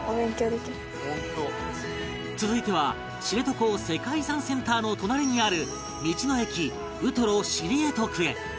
続いては知床世界遺産センターの隣にある道の駅うとろ・シリエトクへ